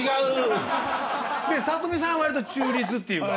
で聡美さんはわりと中立っていうか。